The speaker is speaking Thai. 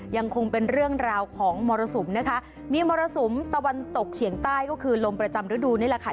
ยังคงเป็นเรื่องราวของมรสุมนะคะมีมรสุมตะวันตกเฉียงใต้ก็คือลมประจำฤดูนี่แหละค่ะ